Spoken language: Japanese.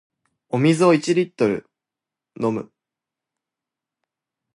お水を一日二リットル飲む